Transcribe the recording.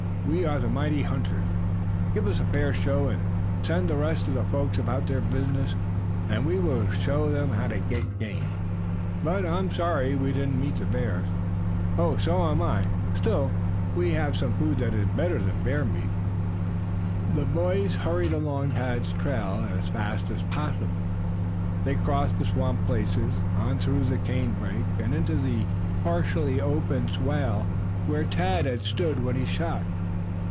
"We are the mighty hunters. Give us a fair show and send the rest of the folks about their business and we will show them how to get game. But I'm sorry we didn't meet the bears." "So am I. Still, we have some food that is better than bear meat." The boys hurried along Tad's trail as fast as possible. They crossed the swamp places, on through the canebrake and into the partially open swale where Tad had stood when he shot.